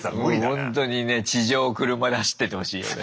もうほんとにね地上を車で走っててほしいよね。